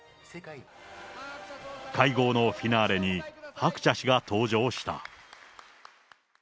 会合のフィナーレに、ハクチャ氏が登場した。